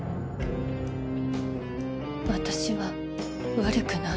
私は悪くない。